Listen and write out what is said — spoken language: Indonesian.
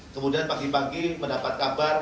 kemudian pagi pagi mendapat kabar